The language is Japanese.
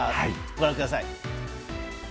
ご覧ください。